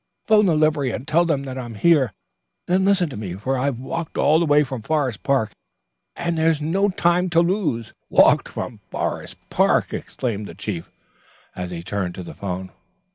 "'Phone the livery and tell them that I'm here. Then listen to me, for I've walked all the way from Forest Park and there's no time to lose." "Walked from Forest Park?" exclaimed the chief, as he turned to the 'phone.